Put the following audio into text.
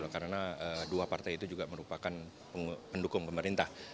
karena dua partai itu juga merupakan pendukung pemerintah